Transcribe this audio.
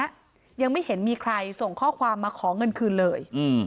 ยังไม่เห็นมีใครส่งข้อความมาขอเงินคืนเลย